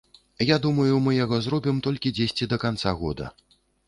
Я думаю, мы яго зробім толькі дзесьці да канца года.